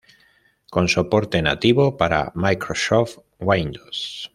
Con soporte nativo para Microsoft Windows.